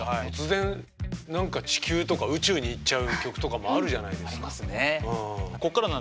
突然地球とか宇宙に行っちゃう曲とかもあるじゃないですか。